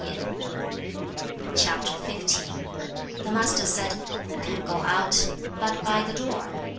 The Master said, 'Who can go out but by the door?